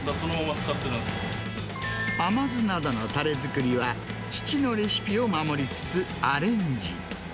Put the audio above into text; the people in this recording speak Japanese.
甘酢などのたれ作りは父のレシピを守りつつ、アレンジ。